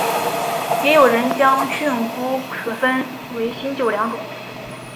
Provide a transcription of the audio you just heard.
也有人将训诂学分为新旧两种。